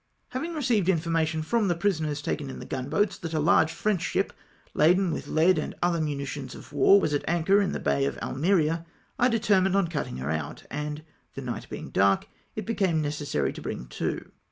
Having received information from the prisoners taken in the gunboats that a large French ship, laden with lead and other munitions of war, was at anchor in the Bay of Almeria, I determined on cuttmg her out, and the night being dark, it became necessary to bring to.